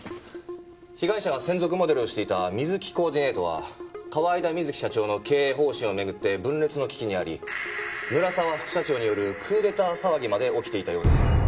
被害者が専属モデルをしていたＭＩＺＵＫＩコーディネートは河井田瑞希社長の経営方針を巡って分裂の危機にあり村沢副社長によるクーデター騒ぎまで起きていたようです。